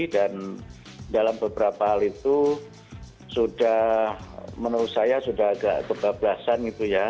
dan dalam beberapa hal itu sudah menurut saya sudah agak kebablasan gitu ya